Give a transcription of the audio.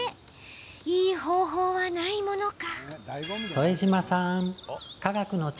いい方法はないものか。